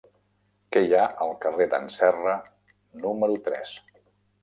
Què hi ha al carrer d'en Serra número tres?